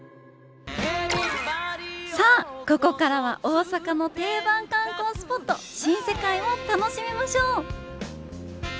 さあここからは大阪の定番観光スポット新世界を楽しみましょう